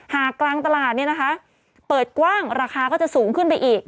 กลางตลาดเปิดกว้างราคาก็จะสูงขึ้นไปอีก